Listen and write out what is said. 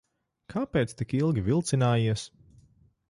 Kāpēc tik ilgi vilcinājies?